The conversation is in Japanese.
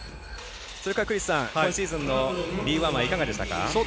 今シーズンのＢ１はいかがでしたか？